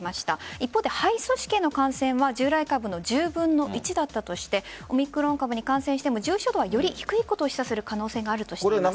一方で、肺組織の感染は従来株の１０分の１だとしてオミクロン株に感染しても重症度は低いことを示唆する可能性があるとしています。